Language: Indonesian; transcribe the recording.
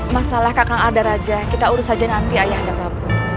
masalah kakak ada raja kita urus saja nanti ayah anda prabu